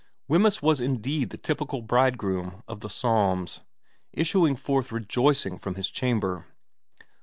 Wemyss was indeed the typical bridegroom of the Psalms, issuing forth rejoicing from his chamber.